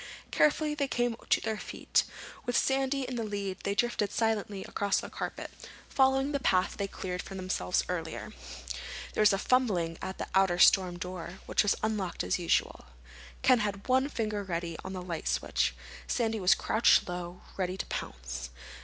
Carefully they came to their feet. With Sandy in the lead they drifted silently across the carpet, following the path they had cleared for themselves earlier. There was a fumbling at the outer storm door, which was unlocked as usual. Ken had one finger ready on the light switch. Sandy was crouched low, ready to pounce.